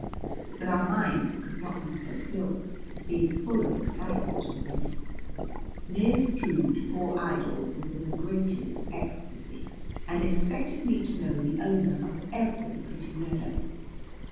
But our minds could not be so filled, being full of excitement already. Near Stroud poor Idols was in the greatest ecstasy, and expected me to know the owner of every pretty meadow.